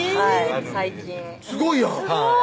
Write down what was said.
最近すごいやん！